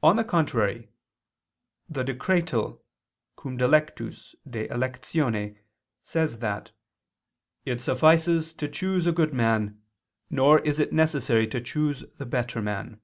On the contrary, The Decretal [*Can. Cum dilectus, de Electione] says that "it suffices to choose a good man, nor is it necessary to choose the better man."